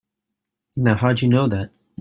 Now how'd you know that?